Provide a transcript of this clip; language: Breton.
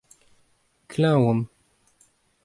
Klañv on.